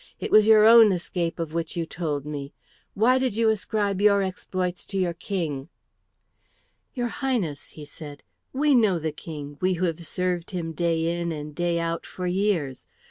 It was your own escape of which you told me. Why did you ascribe your exploits to your King?" "Your Highness," he said, "we know the King, we who have served him day in and day out for years.